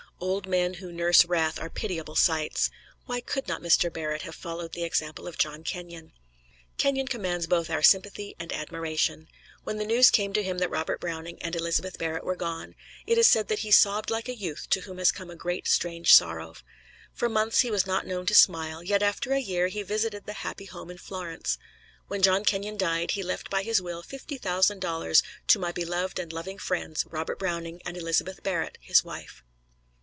Old men who nurse wrath are pitiable sights. Why could not Mr. Barrett have followed the example of John Kenyon? Kenyon commands both our sympathy and admiration. When the news came to him that Robert Browning and Elizabeth Barrett were gone, it is said that he sobbed like a youth to whom has come a great, strange sorrow. For months he was not known to smile, yet after a year he visited the happy home in Florence. When John Kenyon died he left by his will fifty thousand dollars "to my beloved and loving friends, Robert Browning and Elizabeth Barrett, his wife."